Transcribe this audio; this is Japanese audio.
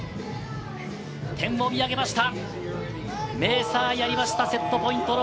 天を見上げました。